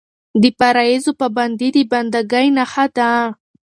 د فرایضو پابندي د بنده ګۍ نښه ده.